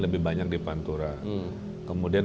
lebih banyak di pantura kemudian